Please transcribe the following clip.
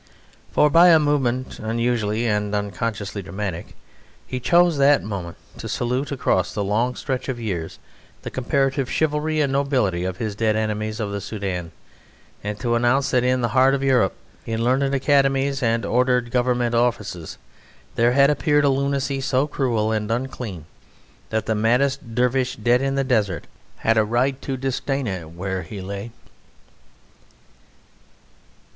For, by a movement unusually and unconsciously dramatic, he chose that moment to salute across the long stretch of years the comparative chivalry and nobility of his dead enemies of the Soudan, and to announce that in the heart of Europe, in learned academies and ordered government offices, there had appeared a lunacy so cruel and unclean that the maddest dervish dead in the desert had a right to disdain it where he lay.